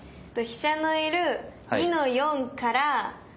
飛車のいる２の四から。